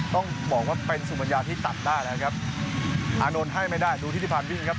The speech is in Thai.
ต้องบอกว่าเป็นสุมัญญาที่ตัดได้แล้วครับอานนท์ให้ไม่ได้ดูทิศิพันธ์วิ่งครับ